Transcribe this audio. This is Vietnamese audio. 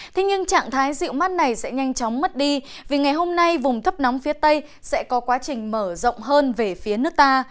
thế nhưng trạng thái dịu mát này sẽ nhanh chóng mất đi vì ngày hôm nay vùng thấp nóng phía tây sẽ có quá trình mở rộng hơn về phía nước ta